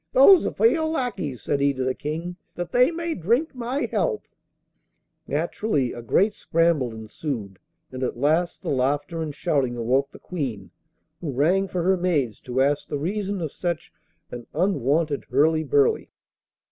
'Those are for your lackeys,' said he to the King, 'that they may drink my health.' Naturally a great scramble ensued, and at last the laughter and shouting awoke the Queen, who rang for her maids to ask the reason of such an unwonted hurry burly.